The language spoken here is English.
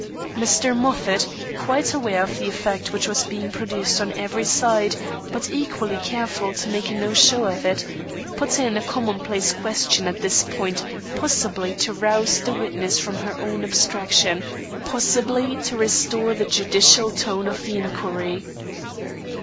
Mr. Moffat, quite aware of the effect which was being produced on every side, but equally careful to make no show of it, put in a commonplace question at this point, possibly to rouse the witness from her own abstraction, possibly to restore the judicial tone of the inquiry.